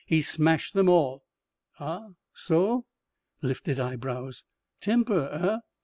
"He smashed them all." "Ah? So?" Lifted eyebrows. "Temper, eh?